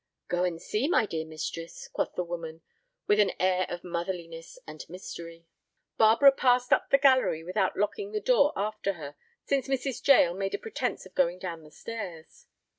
"Go and see, my dear mistress," quoth the woman, with an air of motherliness and mystery. Barbara passed up the gallery without locking the door after her, since Mrs. Jael made a pretence of going down the stairs.